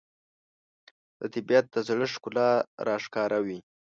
د طبیعت د زړښت ښکلا راښکاره وي